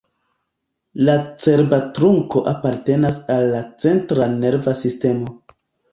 La cerba trunko apartenas al la centra nerva sistemo.